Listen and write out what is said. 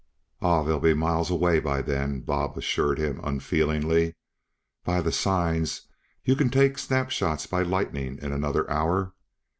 "Aw, they'll be miles away by then," Bob assured him unfeelingly. "By the signs, you can take snap shots by lightning in another hour.